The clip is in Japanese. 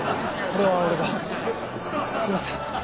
これは俺だすいません。